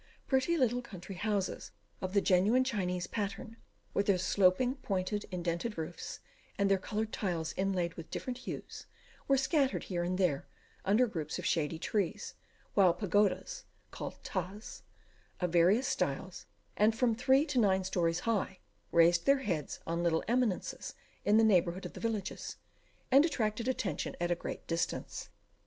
Pretty little country houses of the genuine Chinese pattern, with their sloping, pointed, indented roofs, and their coloured tiles inlaid with different hues, were scattered here and there, under groups of shady trees, while pagodas (called Tas) of various styles, and from three to nine stories high, raised their heads on little eminences in the neighbourhood of the villages, and attracted attention at a great distance.